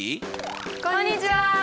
こんにちは。